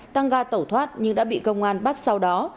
tăng ga tẩu thoát nhưng đã bị công an bắt sau đó